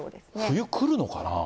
冬、来るのかな？